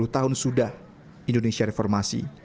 dua puluh tahun sudah indonesia reformasi